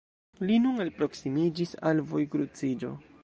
li nun alproksimiĝis al vojkruciĝo.